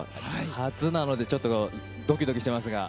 初なのでドキドキしていますが。